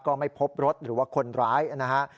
ก็ไม่พบรถหรือว่าคนร้ายนะฮะ